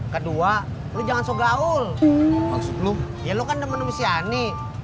kedua lu jangan so gaul maksud lu ya lu kan temen si ani